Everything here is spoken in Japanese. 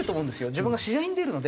自分が試合に出るので。